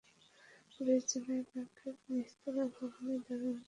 Police জানায়, ব্যাংকের নিচতলায় ভবনের দারোয়ান থাকলেও তাঁরা ডাকাতির বিষয়টি টের পাননি।